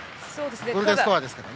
ゴールデンスコアですから。